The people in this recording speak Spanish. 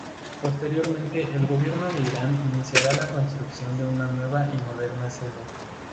Posteriormente el gobierno de Irán iniciaría la construcción de una nueva y moderna sede.